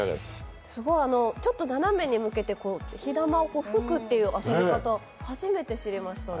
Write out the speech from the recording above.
ちょっと斜めに向けて火玉を向けて吹くっていう遊び方、初めて知りましたね。